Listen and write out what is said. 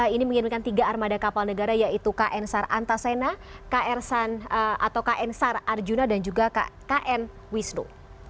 ini mengirimkan tiga armada kapal negara yaitu kn sar antasena atau kn sar arjuna dan juga kn wisnu